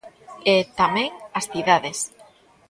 E, tamén, as cidades.